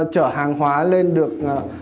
chở hàng hóa lên được